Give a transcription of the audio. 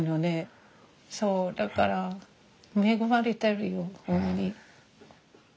そうだから恵まれてるよホンマに。